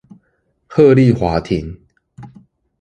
鶴唳華亭